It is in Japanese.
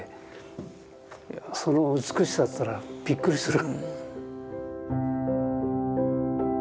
その美しさといったらびっくりする。